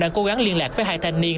đang cố gắng liên lạc với hai thanh niên